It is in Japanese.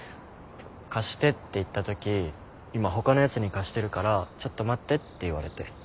貸してって言ったとき今他のやつに貸してるからちょっと待ってって言われて。